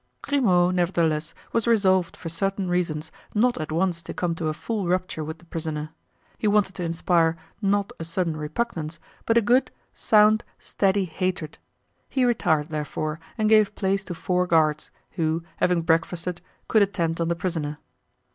Grimaud, nevertheless, was resolved for certain reasons not at once to come to a full rupture with the prisoner; he wanted to inspire, not a sudden repugnance, but a good, sound, steady hatred; he retired, therefore, and gave place to four guards, who, having breakfasted, could attend on the prisoner.